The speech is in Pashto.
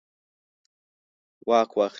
واک واخلي.